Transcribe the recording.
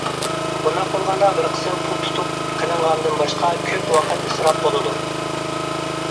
بۇنداق بولغاندا بىر قىسىم پۇل تۇتۇپ قېلىنغاندىن باشقا، كۆپ ۋاقىت ئىسراپ بولىدۇ.